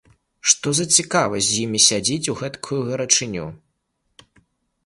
Што за цікавасць з імі сядзець у гэтакую гарачыню?